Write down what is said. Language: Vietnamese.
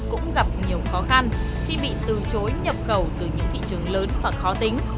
cũng gặp nhiều khó khăn khi bị từ chối nhập khẩu từ những thị trường lớn và khó tính